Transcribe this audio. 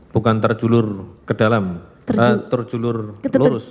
bukan terjulur ke dalam terjulur lurus